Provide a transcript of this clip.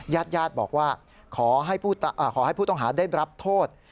ญาติญาติบอกว่าขอให้ผู้ต้องหาได้รับโทษ